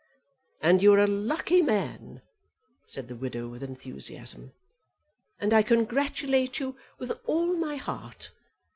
"And you are a lucky man," said the widow with enthusiasm; "and I congratulate you with all my heart.